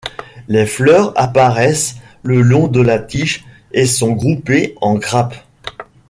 Les fleurs apparaissent le long de la tige et sont groupées en grappes.